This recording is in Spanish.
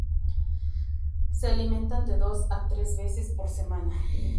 Se alimentan de dos a tres veces por semana.